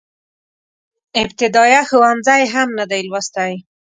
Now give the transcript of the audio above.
ابتدائيه ښوونځی يې هم نه دی لوستی.